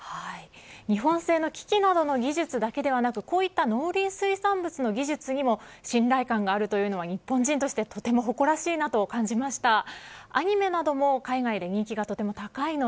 日本製の機器などの技術だけではなくこういった農林水産物の技術にも信頼感があるというのは日本人としてとても誇らしいなと感じました。